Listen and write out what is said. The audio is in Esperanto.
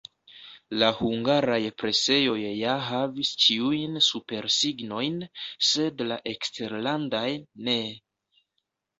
La hungaraj presejoj ja havis ĉiujn supersignojn, sed la eksterlandaj ne.